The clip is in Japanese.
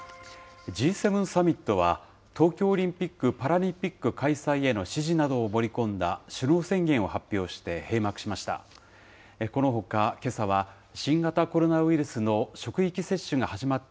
Ｇ７サミットは、東京オリンピック・パラリンピック開催への支持などを盛り込んだ首脳宣言を発表して閉幕しました。